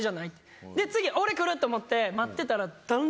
次俺くると思って待ってたら。